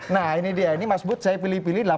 nah ini dia ini mas bud saya pilih pilih